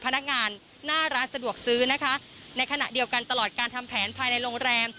พนักงานหน้าร้านสะดวกซื้อนะคะในขณะเดียวกันตลอดการทำแผนภายในโรงแรม